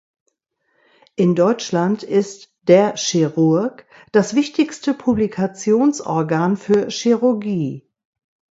In Deutschland ist "Der Chirurg" das wichtigste Publikationsorgan für Chirurgie.